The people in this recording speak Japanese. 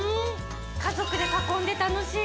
家族で囲んで楽しい。